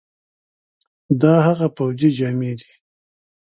دا هغه پوځي جامي دي،